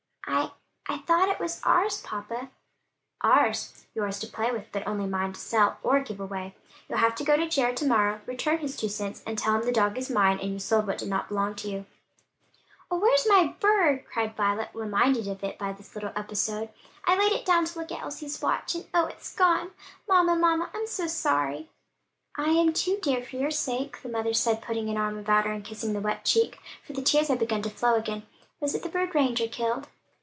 "I I thought it was ours, papa." "Ours? Yours to play with, but only mine to sell or give away. You'll have to go to Jared to morrow, return his two cents, and tell him the dog is mine, and you sold what did not belong to you." "Oh where's my bird?" cried Violet, reminded of it by this little episode. "I laid it down to look at Elsie's watch, and oh it's gone! Mamma, mamma, I'm so sorry!" "I am too, dear, for your sake," the mother said, putting an arm about her and kissing the wet cheek, for the tears had begun to flow again. "Was it the bird Ranger killed?"